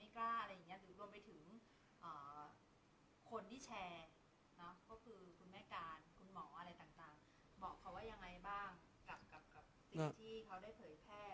หรือเขาอาจจะไม่กล้าอะไรอย่างนี้